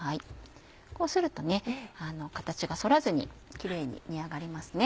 こうすると形が反らずにキレイに煮上がりますね。